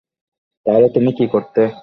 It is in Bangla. তাহলে তুমি কি করতে?